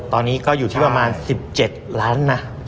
ตอนนี้ก็อยู่ที่ประมาณ๑๗ล้านนะ